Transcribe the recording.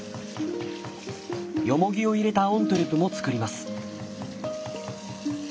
ヨモギを入れたオントゥレも作ります。